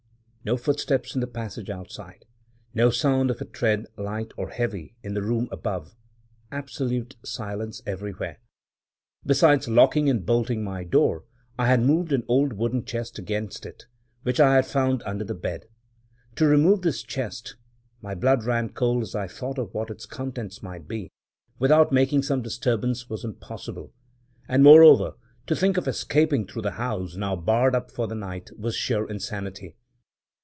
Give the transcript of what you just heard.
no footsteps in the passage outside — no sound of a tread, light or heavy, in the room above — absolute silence everywhere. Besides locking and bolting my door, I had moved an old wooden chest against it, which I had found under the bed. To remove this chest (my blood ran cold as I thought of what its contents might be!) without making some disturbance was impossible; and, moreover, to think of escaping through the house, now barred up for the night, was sheer insanity.